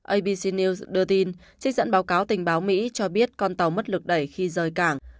abc news đưa tin trích dẫn báo cáo tình báo mỹ cho biết con tàu mất lực đẩy khi rời cảng